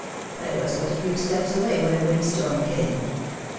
I was but a few steps away when a wind storm came.